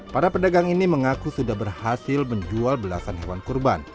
para pedagang ini mengaku sudah berhasil menjual belasan hewan kurban